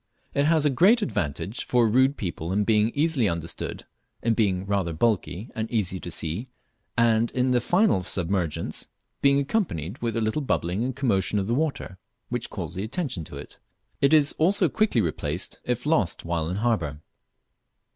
It has a great advantage for a rude people in being easily understood, in being rather bulky and easy to see, and in the final submergence being accompanied with a little bubbling and commotion of the water, which calls the attention to it. It is also quickly replaced if lost while in harbour.